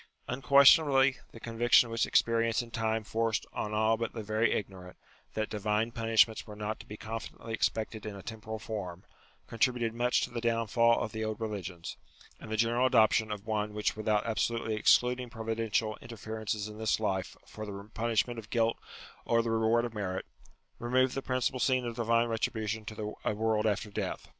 Unquestionably the con viction which experience in time forced on all but the very ignorant, that divine punishments were not to be confidently expected in a temporal form, contributed much to the downfall of the old religions, and the general adoption of one which without abso lutely excluding providential interferences in this life for the punishment of guilt or the reward of merit, removed the principal scene of divine retribution to a world after death.